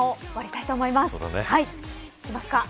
いきますか。